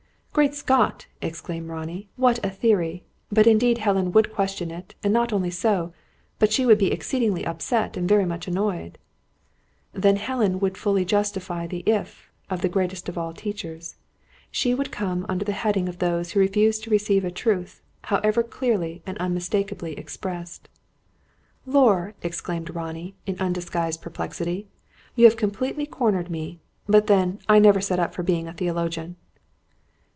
'" "Great Scott!" exclaimed Ronnie. "What a theory! But indeed Helen would question it; and not only so, but she would be exceedingly upset and very much annoyed." "Then Helen would fully justify the 'If' of the greatest of all teachers. She would come under the heading of those who refuse to receive a truth, however clearly and unmistakably expressed." "Lor!" exclaimed Ronnie, in undisguised perplexity. "You have completely cornered me. But then I never set up for being a theologian."